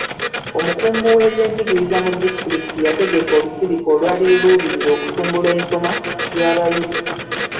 Omukungu w'ebyenjigiriza mu disitulikiti yategeka olusirika olwali luluubirira okutumbula ensoma y'abayizi.